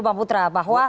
bang putra bahwa